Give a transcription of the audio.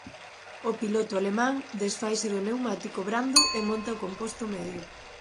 O piloto alemán desfaise do pneumático brando e monta o composto medio.